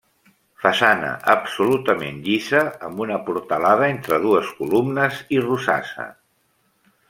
Façana absolutament llisa amb una portalada entre dues columnes i rosassa.